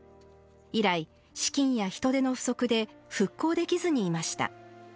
以来、資金や人手の不足で復興できずにいました。